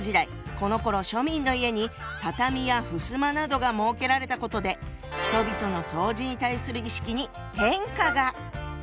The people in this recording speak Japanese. このころ庶民の家に畳やふすまなどが設けられたことで人々の掃除に対する意識に変化が！